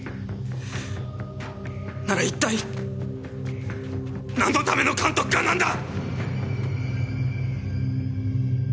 なら一体なんのための監督官なんだ！？